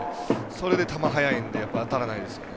それで球が速いので当たらないですよね。